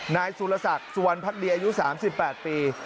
นายสุรศักดิ์สุวรรณภักดีอายุ๓๘ปี